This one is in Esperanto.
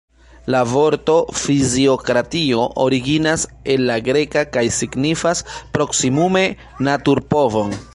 La vorto fiziokratio originas el la greka kaj signifas proksimume naturpovon.